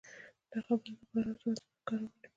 دا خبره د قران او سنت څخه ښکاره معلوميږي